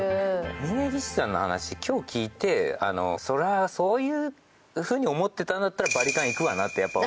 峯岸さんの話今日聞いてそりゃそういう風に思ってたんだったらバリカンいくわなってやっぱ。